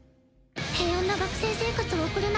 平穏な学生生活を送る中